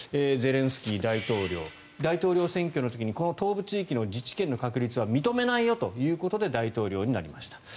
ゼレンスキー大統領大統領選挙の時にこの東部地域の自治権の確立は認めないよということで大統領になりました。